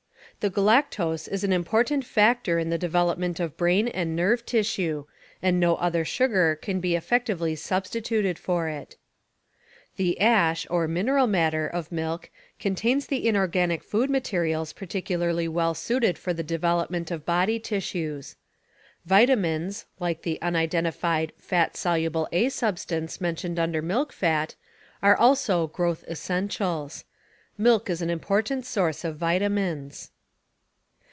The galactose is an important factor in the development of brain and nerve tissue, and no other sugar can be effectively substituted for it. The ash, or mineral matter, of milk contains the inorganic food essentials particularly well suited for the development of body tissues. Vitamins, like the unindentified "fat soluble A" substance mentioned under milk fat, are also growth essentials. Milk is an important source of vitamins.